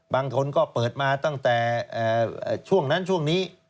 บางคนก็เปิดมาตั้งแต่ช่วงนั้นช่วงนี้